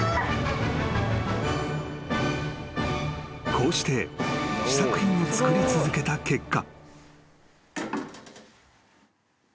［こうして試作品を作り続けた結果］